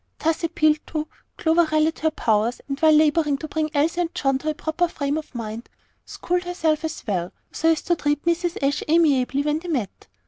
Thus appealed to, Clover rallied her powers, and while laboring to bring Elsie and John to a proper frame of mind, schooled herself as well, so as to be able to treat Mrs. Ashe amiably when they met.